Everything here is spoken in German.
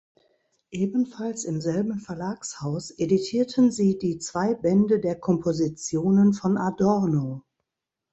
Ebenfalls im selben Verlagshaus edierten sie die zwei Bände der Kompositionen von Adorno.